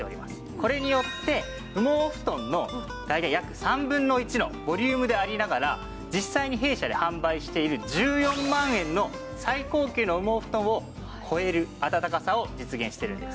これによって羽毛布団の大体約３分の１のボリュームでありながら実際に弊社で販売している１４万円の最高級の羽毛布団を超えるあたたかさを実現しているんです。